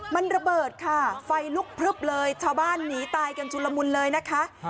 มันระเบิดค่ะไฟลุกพลึบเลยชาวบ้านหนีตายกันชุลมุนเลยนะคะ